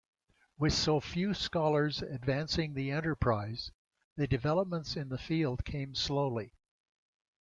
With so few scholars advancing the enterprise, the developments in the field came slowly.